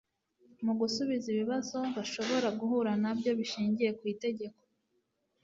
mu gusubiza ibibazo bashobora guhura nabyo bashingiye ku itegeko